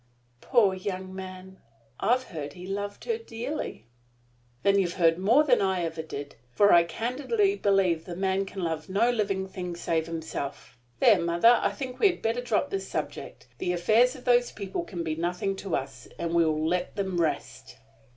"Poor young man! I've heard he loved her dearly." "Then you've heard more than ever I did; for I candidly believe the man can love no living thing save himself! There, mother, I think we had better drop this subject. The affairs of those people can be nothing to us, and we will let them rest."